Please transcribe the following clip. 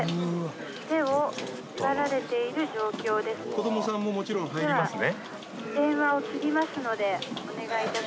子供さんももちろん入りますね。